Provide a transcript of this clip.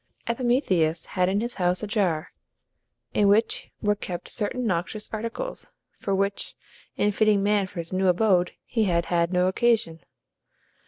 Epimetheus had in his house a jar, in which were kept certain noxious articles, for which, in fitting man for his new abode, he had had no occasion.